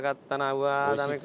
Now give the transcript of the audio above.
うわっダメか。